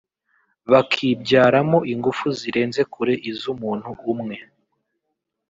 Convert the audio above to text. bakibyaramo ingufu zirenze kure iz’umuntu umwe